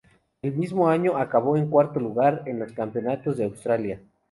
El mismo año, acabó en cuarto lugar en los Campeonatos de Australia.